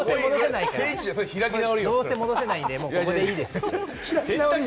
どうせ戻せないんで、ここでいいですって。